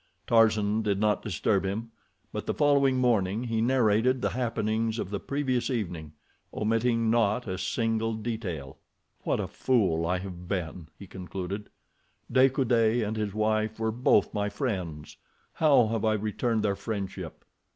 Tarzan did not disturb him, but the following morning he narrated the happenings of the previous evening, omitting not a single detail. "What a fool I have been," he concluded. "De Coude and his wife were both my friends. How have I returned their friendship?